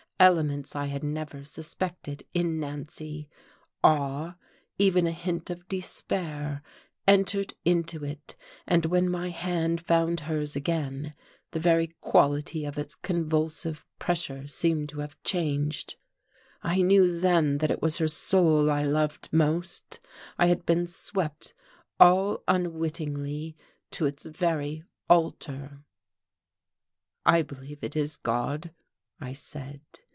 Elements I had never suspected, in Nancy, awe, even a hint of despair, entered into it, and when my hand found hers again, the very quality of its convulsive pressure seemed to have changed. I knew then that it was her soul I loved most; I had been swept all unwittingly to its very altar. "I believe it is God," I said.